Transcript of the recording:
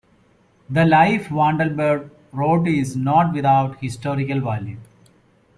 The life Wandelbert wrote is not without historical value.